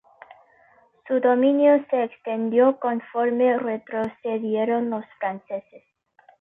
Su dominio se extendió conforme retrocedieron los franceses.